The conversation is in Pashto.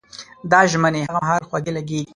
دا ژمنې هغه مهال خوږې لګېږي.